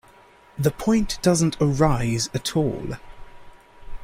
The point doesn't arise at all.